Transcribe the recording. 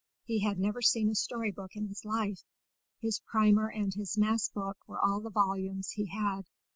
He had never seen a story book in his life; his primer and his mass book were all the volumes he had.